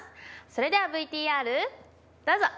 それではＶＴＲどうぞ！